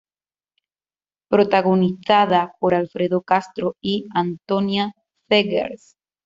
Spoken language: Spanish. Protagonizada por Alfredo Castro y Antonia Zegers.